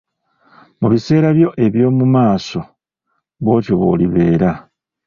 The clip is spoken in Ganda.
Mu biseera byo eby'omu maaso bw'otyo bw'olibeera.